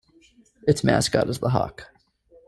Its mascot is the Hawk.